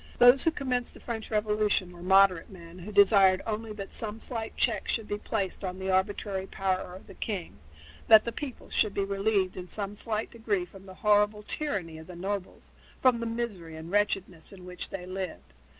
Those who commenced the French Revolution were moderate men who desired only that some slight check should be placed on the arbitrary power of the king that the people should be relieved in some slight degree from the horrible tyranny of the nobles, from the misery and wretchedness in which they lived.